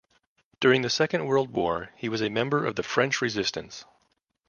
During the Second World War, he was a member of the French Resistance.